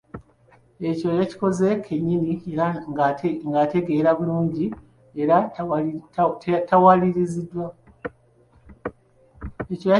Ekyo yakikoze kennyini era ng'ategeera bulungi era tawaliriziddwa.